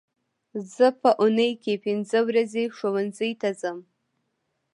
زه په اونۍ کې پینځه ورځې ښوونځي ته ځم